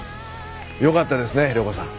よかったですね涼子さん。